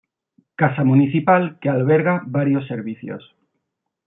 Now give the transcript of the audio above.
Casa municipal que alberga varios servicios.